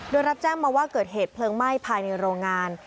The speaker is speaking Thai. โดยรับแจ้งมาว่าเกิดเหตุเพลิงไหม้ภายในโรงงาน